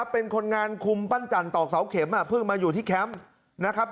เป็นคนงานคุมปั้นจันตอกเสาเข็มเพิ่งมาอยู่ที่แคมป์นะครับ